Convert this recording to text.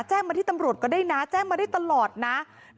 มาที่ตำรวจก็ได้นะแจ้งมาได้ตลอดนะ